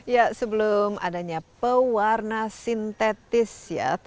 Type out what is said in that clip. ya sebelum adanya pewarna sintetis ya